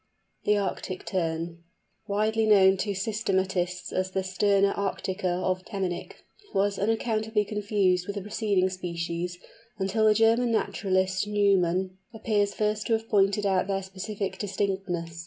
THE ARCTIC TERN. This Tern, widely known to systematists as the Sterna arctica of Temminck, was unaccountably confused with the preceding species, until the German naturalist, Naumann, appears first to have pointed out their specific distinctness.